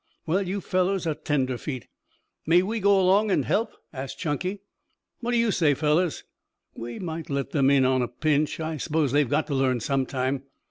"Well, you fellows are tenderfeet!" "May we go along and help?" asked Chunky. "What do you say, fellows?" "We might let them on a pinch. I suppose they've got to learn some time."